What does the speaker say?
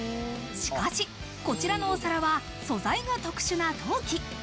しかし、こちらのお皿は素材が特殊な陶器。